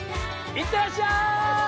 いってらっしゃい！